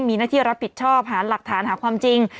มีหน้าที่รับผิดชอบหาหลักฐานหาความจริง